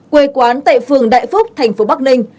quê quán tại phường đại phúc thành phố bắc ninh